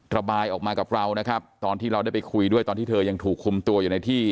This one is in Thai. ระบายออกมากับเรานะครับตอนที่เราได้ไปคุยด้วยตอนที่เธอยังถูกคุมตัวอยู่ในที่